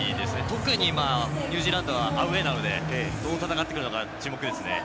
特にニュージーランドはアウェーなのでどう戦ってくるのか注目ですね。